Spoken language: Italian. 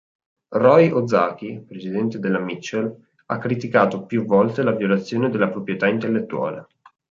Roy Ozaki, presidente della Mitchell, ha criticato più volte la violazione della proprietà intellettuale.